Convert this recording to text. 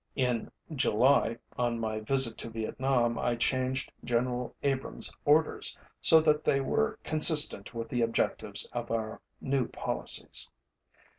In July, on my visit to Vietnam, I changed General AbramsÆs orders, so that they were consistent with the objectives of our new policies.